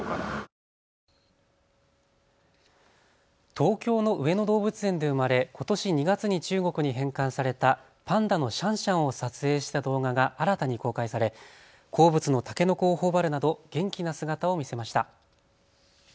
東京の上野動物園で生まれことし２月に中国に返還されたパンダのシャンシャンを撮影した動画が新たに公開され好物のたけのこをほおばるなど元気な姿を見せました。